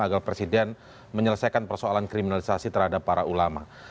agar presiden menyelesaikan persoalan kriminalisasi terhadap para ulama